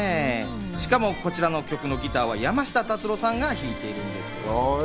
しかもこちらの曲のギターは山下達郎さんが弾いてるんですよ。